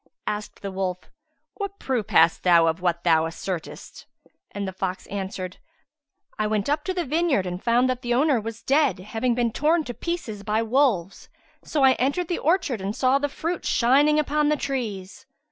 Asked the wolf, "What proof hast thou of what thou assertest?": and the fox answered, "I went up to the vineyard and found that the owner was dead, having been torn to pieces by wolves: so I entered the orchard and saw the fruit shining upon the trees."